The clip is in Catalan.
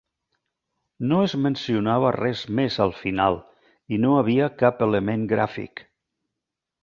No es mencionava res més al final i no havia cap element gràfic.